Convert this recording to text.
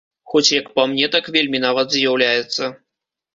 Хоць як па мне, так вельмі нават з'яўляецца.